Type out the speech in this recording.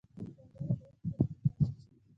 سندره د اوښکو نغمه ده